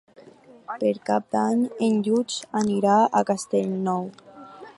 Per Cap d'Any en Lluc anirà a Castellnou.